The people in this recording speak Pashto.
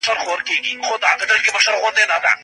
د موبایل سکرین رڼا وکړه.